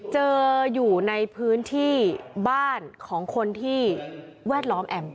เจออยู่ในพื้นที่บ้านของคนที่แวดล้อมแอม